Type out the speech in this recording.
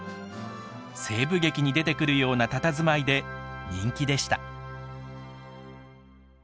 西部劇に出てくるようなたたずまいで人気でした。